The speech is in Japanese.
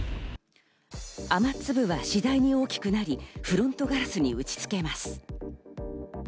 雨粒は次第に大きくなり、フロントガラスに打ちつけます。